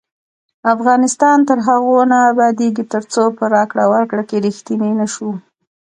افغانستان تر هغو نه ابادیږي، ترڅو په راکړه ورکړه کې ریښتیني نشو.